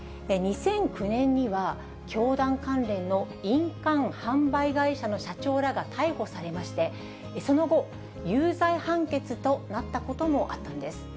２００９年には、教団関連の印鑑販売会社の社長らが逮捕されまして、その後、有罪判決となったこともあったんです。